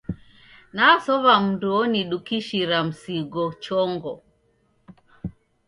Nasow'a mndu onidukishira msigo chongo.